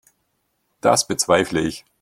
Das bezweifle ich.